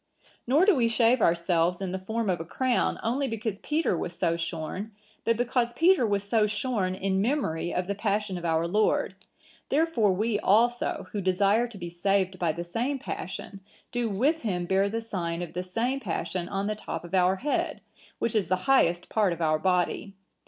Nor do we shave ourselves in the form of a crown only because Peter was so shorn; but because Peter was so shorn in memory of the Passion of our Lord, therefore we also, who desire to be saved by the same Passion, do with him bear the sign of the same Passion on the top of our head, which is the highest part of our body.